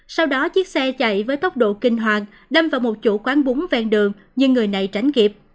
sau đó chiếc xe chạy với tốc độ kinh hoàng đâm vào một chủ quán búng ven đường nhưng người này tránh kịp